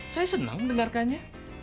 saya senang mendengarkannya